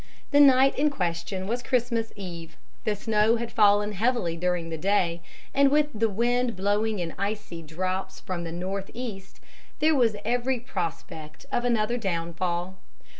The night in question was Christmas Eve; the snow had fallen heavily during the day, and with the wind blowing in icy draughts from the north east, there was every prospect of another downfall.